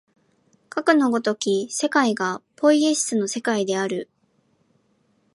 かくの如き世界がポイエシスの世界である。